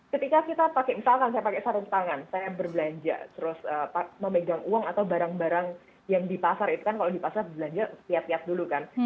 ketika kita pakai misalkan saya pakai sarung tangan saya berbelanja terus memegang uang atau barang barang yang di pasar itu kan kalau di pasar belanja tiap tiap dulu kan